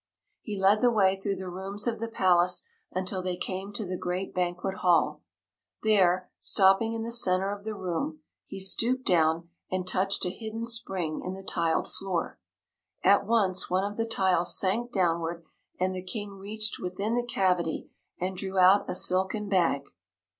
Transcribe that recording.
He led the way through the rooms of the palace until they came to the great banquet hall. There, stopping in the center of the room, he stooped down and touched a hidden spring in the tiled floor. At once one of the tiles sank downward and the King reached within the cavity and drew out a silken bag.